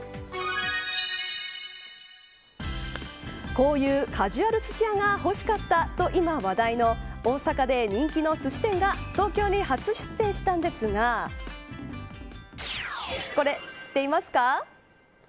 こういうカジュアルすし屋が欲しかったと今話題の大阪で人気のすし店が東京に初出店したんですがこれ、知っていますか。